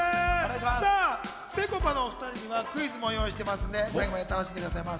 さあ、ぺこぱのお２人にはクイズも用意していますので最後まで楽しんでいってくださいませ。